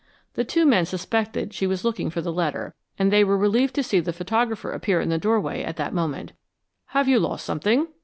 The two men suspected she was looking for the letter, and they were relieved to see the photographer appear in the doorway at that moment. "Have you lost something?"